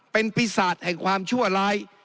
เป็นปีศาจแห่งความชั่วร้าย